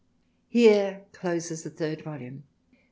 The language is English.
Here closes the third Volume.